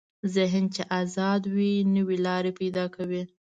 ذهن چې ازاد وي، نوې لارې پیدا کوي.